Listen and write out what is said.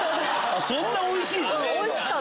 そんなおいしいの？